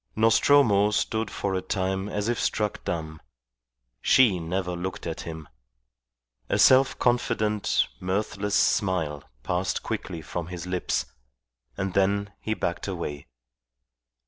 Nostromo stood for a time as if struck dumb. She never looked at him. A self confident, mirthless smile passed quickly from his lips, and then he backed away.